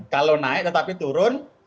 kalau naik tetapi turun